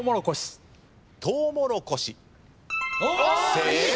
正解。